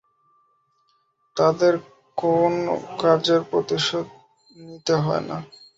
তাদের কোন কাজের প্রতিশোধ নিতে হয় না।